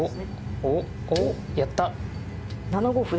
お、お、やった。